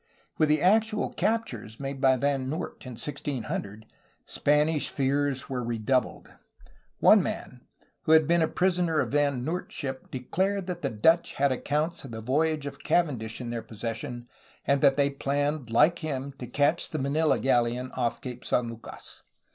With the actual captures made by Van Noort in 1600, Spanish fears were redoubled. One man, who had been a prisoner on Van Noort's ship, declared that the Dutch had accounts of the voyage of Cavendish in their possession and that they planned like him to catch the Manila galleon off Cape San Lucas.